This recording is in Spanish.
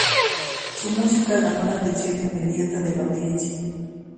Su música ganó la atención inmediata de la audiencia.